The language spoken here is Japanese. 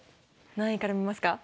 何位から見ますか？